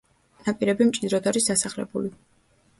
ნაპირები მჭიდროდ არის დასახლებული.